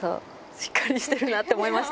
しっかりしてるなと思いました。